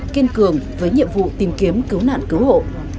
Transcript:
kiên cường với nhiệm vụ tìm kiếm cứu nạn cứu hộ